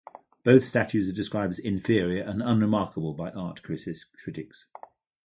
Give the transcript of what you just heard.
Both statues are described as "inferior" and "unremarkable" by art critics.